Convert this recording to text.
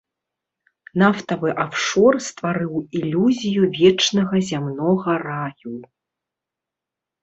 Нафтавы афшор стварыў ілюзію вечнага зямнога раю.